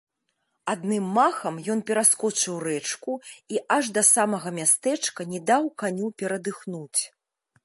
Адным махам ён пераскочыў рэчку і аж да самага мястэчка не даў каню перадыхнуць.